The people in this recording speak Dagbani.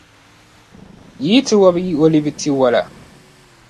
yi yi ti wɔbi yi olivi tiwala.